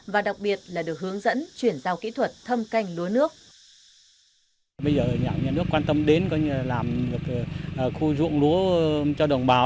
và đặc biệt là được hướng dẫn chuyển giao kỹ thuật thâm canh lúa nước